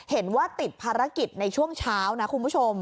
เห็นว่าติดภารกิจในช่วงเช้านะคุณผู้ชม